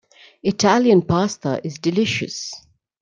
Italian Pasta is delicious.